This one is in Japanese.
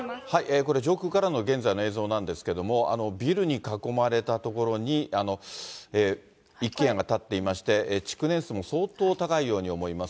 これ、上空からの現在の映像なんですけれども、ビルに囲まれた所に、一軒家が建っていまして、築年数も相当高いように思います。